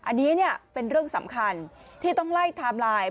อันนี้เป็นเรื่องสำคัญที่ต้องไล่ไทม์ไลน์